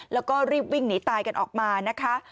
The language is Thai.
แล้วก็รีบวิ่งหนีตายกันออกมานะคะ